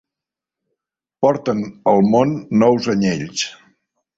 Porten al món nous anyells.